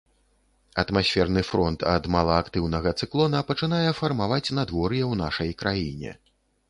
Атмасферны фронт ад малаактыўнага цыклона пачынае фармаваць надвор'е ў нашай краіне.